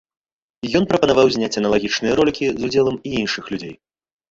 Ён прапанаваў зняць аналагічныя ролікі з удзелам і іншых людзей.